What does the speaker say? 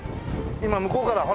今向こうからほら。